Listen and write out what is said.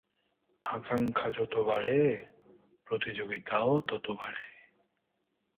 আকাঙ্ক্ষা যত বাড়ে, প্রতিযোগিতাও ততই বাড়ে।